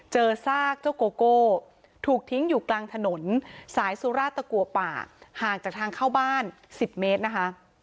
ซากเจ้าโกโก้ถูกทิ้งอยู่กลางถนนสายสุราชตะกัวป่าห่างจากทางเข้าบ้าน๑๐เมตรนะคะ